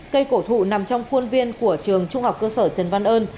cây cổ thụ nằm trong khuôn viên của trường trung học cơ sở trần văn ơn